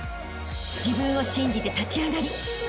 ［自分を信じて立ち上がりあしたへ